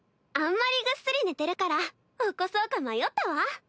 あんまりぐっすり寝てるから起こそうか迷ったわ。